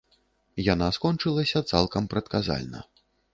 Яна скончылася цалкам прадказальна.